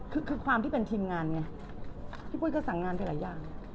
คือคือความที่เป็นทีมงานไงพี่ปุ้ยก็สั่งงานไปหลายอย่าง